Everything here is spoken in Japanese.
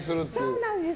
そうなんです。